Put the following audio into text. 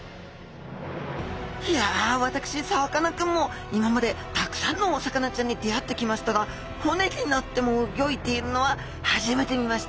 いや私さかなクンも今までたくさんのお魚ちゃんに出会ってきましたが骨になってもうギョいているのは初めて見ました！